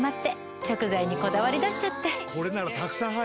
これならたくさん入るな。